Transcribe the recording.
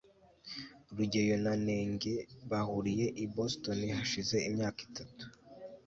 rugeyo na nenge bahuriye i boston hashize imyaka itatu